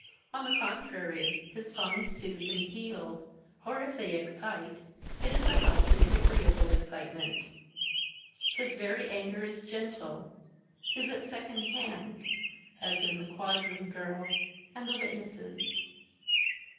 On the contrary, his songs soothe and heal, or if they excite, it is a healthy and agreeable excitement. His very anger is gentle, is at second hand (as in the 'Quadroon Girl' and the * Witnesses').